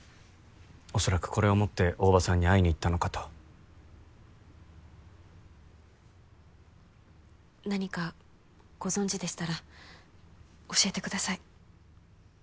おそらくこれを持って大庭さんに会いに行ったのかと何かご存じでしたら教えてください